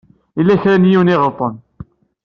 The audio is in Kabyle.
Yella kra n yiwen i iɣelṭen.